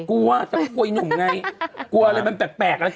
กลัวแต่ก็กลัวอี้หนูไงกลัวอะไรมันแปลกแปลกอะไรเกิด